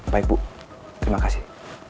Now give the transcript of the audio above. baik bu terima kasih